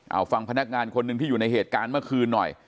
เอาฟังพนักงานคนหนึ่งที่อยู่ในเหตุการณ์เมื่อคืนหน่อย